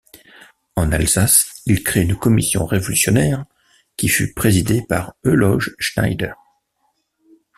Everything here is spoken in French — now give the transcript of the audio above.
En Alsace, il crée une commission révolutionnaire qui fut présidé par Euloge Schneider.